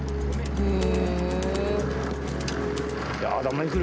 へえ。